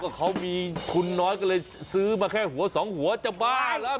เขามีคุณน้อยก็เลยซื้อมาแค่หัวสองหัวจะบ้าแล้ว